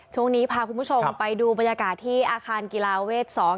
ช่วงนี้พาคุณผู้ชมไปดูบรรยากาศที่อาคารกีฬาเวท๒